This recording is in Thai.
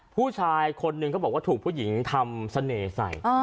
ผู้ชายคนหนึ่งเขาบอกว่าถูกผู้หญิงทำเสน่ห์ใส่